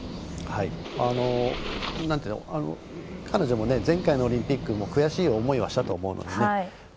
彼女も前回のオリンピックも悔しい思いはしたと思うのでね。